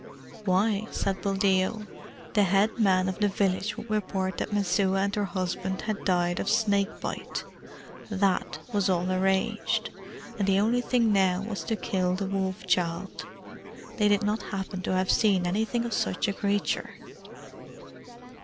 Why, said Buldeo, the head man of the village would report that Messua and her husband had died of snake bite. THAT was all arranged, and the only thing now was to kill the Wolf child. They did not happen to have seen anything of such a creature?